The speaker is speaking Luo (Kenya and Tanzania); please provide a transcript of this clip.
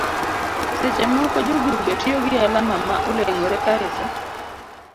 seche moko jogrube tiyo gi alama ma olengore kae to